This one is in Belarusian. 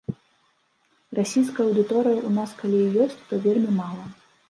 Расійская аўдыторыя ў нас калі і ёсць, то вельмі мала.